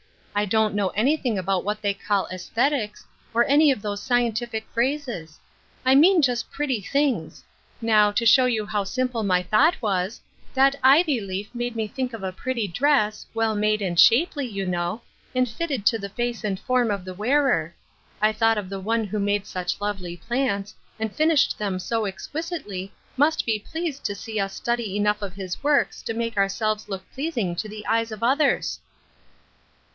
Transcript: I don't know anything about what they call ' esthetics,* or any of those scientific phrases. I mean just pretty things. Now, to show you how simple my thought was, that ivy leaf made me think of a pretty dress, well made and shapely, you know, and fitted to the face and form of the wearer. I thought the One who made such lovely plants, and finished them so exquisitely, must be pleased 114 Ruth Erskines Crosses. to see us study enough of His works to make ourselves look pleasing to the eyes of others."